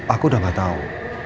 aku udah nggak tahu